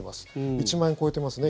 １万円超えていますね。